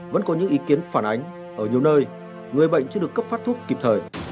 vẫn có những ý kiến phản ánh ở nhiều nơi người bệnh chưa được cấp phát thuốc kịp thời